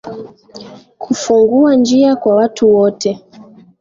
Kufungua njia kwa watu wote